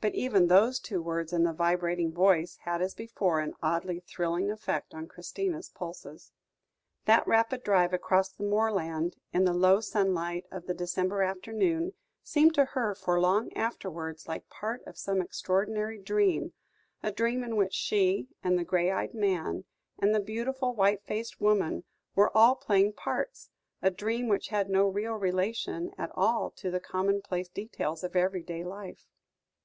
But even those two words in the vibrating voice, had, as before, an oddly thrilling effect on Christina's pulses. That rapid drive across the moorland, in the low sunlight of the December afternoon, seemed to her for long afterwards, like part of some extraordinary dream a dream in which she, and the grey eyed man, and the beautiful white faced woman, were all playing parts; a dream which had no real relation at all to the commonplace details of everyday life.